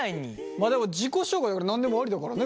まあでも自己紹介だから何でもありだからね。